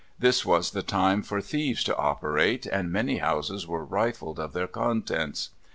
This was the time for thieves to operate, and many houses were rifled of their contents.